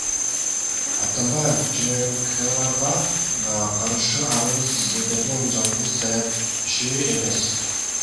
Атамбаев ЖМКларга каршы арыз берген жалгыз саясатчы эмес.